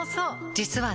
実はね